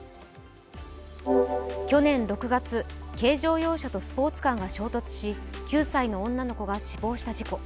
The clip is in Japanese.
去年６月、軽乗用車とスポーツカーが衝突し９歳の女の子が死亡した事故。